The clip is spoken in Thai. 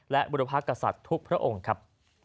และบุรพากษัตริย์ทุกพระองค์ครับ